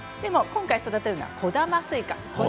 今回育てるのは小玉スイカです。